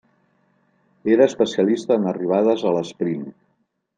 Era especialista en arribades a l'esprint.